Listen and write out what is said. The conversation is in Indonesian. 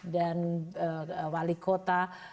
dan wali kota